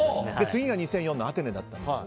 次が２００４のアテネで。